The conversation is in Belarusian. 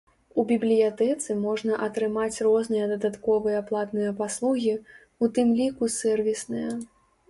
У бібліятэцы можна атрымаць розныя дадатковыя платныя паслугі, у тым ліку сэрвісныя.